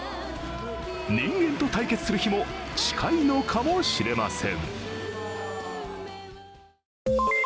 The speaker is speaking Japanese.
人間と対決する日も近いのかもしれません。